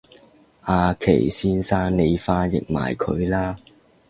阿祁先生你翻譯埋佢啦